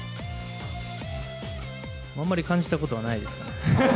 あんまり感じたことはないですね。